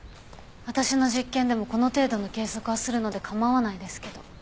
私の実験でもこの程度の計測はするので構わないですけど。